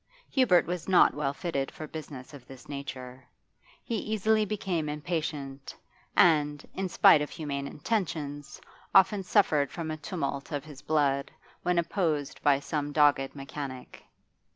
Hubert was not well fitted for business of this nature; he easily became impatient, and, in spite of humane intentions, often suffered from a tumult of his blood, when opposed by some dogged mechanic.